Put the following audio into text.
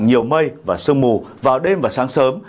nhiều mây và sương mù vào đêm và sáng sớm